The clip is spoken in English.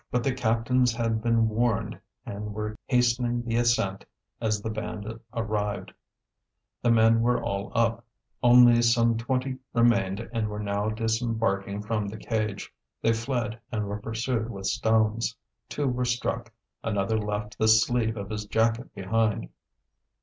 But the captains had been warned and were hastening the ascent as the band arrived. The men were all up, only some twenty remained and were now disembarking from the cage. They fled and were pursued with stones. Two were struck, another left the sleeve of his jacket behind.